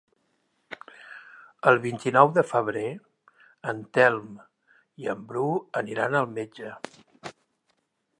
El vint-i-nou de febrer en Telm i en Bru aniran al metge.